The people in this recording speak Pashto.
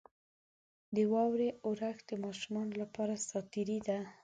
• د واورې اورښت د ماشومانو لپاره ساتیري ده.